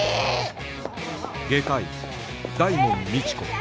外科医大門未知子